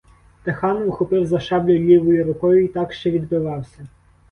Та хан ухопив за шаблю лівою рукою й так ще відбивався.